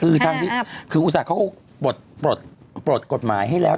แค่นั้นเองคืออุตสัตว์เขาก็ปลดกฎหมายให้แล้ว